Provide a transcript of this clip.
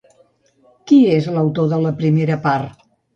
Qui és l'autor de la primera part?